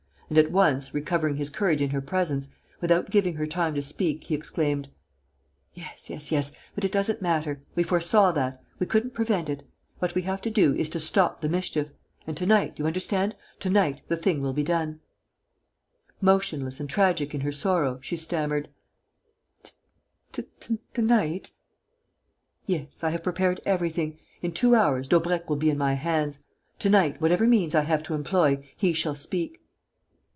And, at once, recovering his courage in her presence, without giving her time to speak, he exclaimed: "Yes, yes, yes ... but it doesn't matter. We foresaw that. We couldn't prevent it. What we have to do is to stop the mischief. And to night, you understand, to night, the thing will be done." Motionless and tragic in her sorrow, she stammered: "To night?" "Yes. I have prepared everything. In two hours, Daubrecq will be in my hands. To night, whatever means I have to employ, he shall speak."